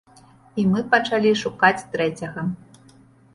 І мы пачалі шукаць трэцяга.